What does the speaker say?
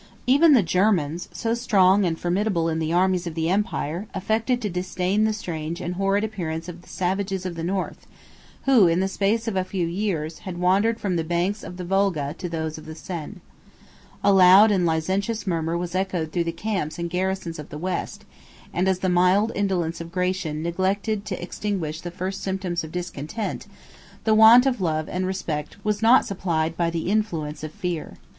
7 Even the Germans, so strong and formidable in the armies of the empire, affected to disdain the strange and horrid appearance of the savages of the North, who, in the space of a few years, had wandered from the banks of the Volga to those of the Seine. A loud and licentious murmur was echoed through the camps and garrisons of the West; and as the mild indolence of Gratian neglected to extinguish the first symptoms of discontent, the want of love and respect was not supplied by the influence of fear.